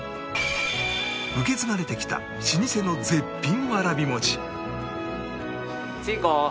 受け継がれてきた老舗の絶品わらび餅